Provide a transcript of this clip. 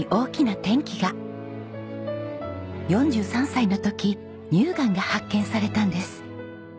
４３歳の時乳がんが発見されたんです。